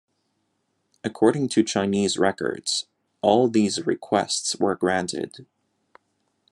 According to Chinese records, all these requests were granted.